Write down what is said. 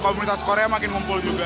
komunitas korea makin ngumpul juga